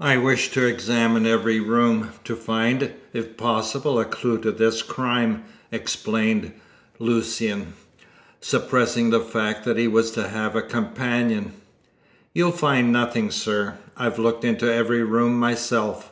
"I wish to examine every room, to find, if possible, a clue to this crime," explained Lucian, suppressing the fact that he was to have a companion. "You'll find nothing, sir. I've looked into every room myself.